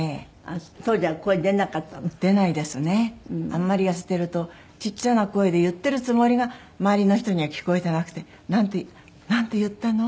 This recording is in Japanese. あんまり痩せているとちっちゃな声で言っているつもりが周りの人には聞こえていなくて「なんて言ったの？」